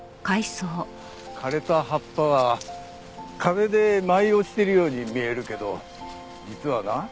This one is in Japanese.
枯れた葉っぱは風で舞い落ちてるように見えるけど実はな